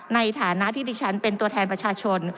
ในฐานะที่ดิฉันเป็นตัวแทนประชาชน